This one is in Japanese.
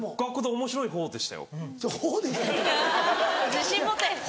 自信持て！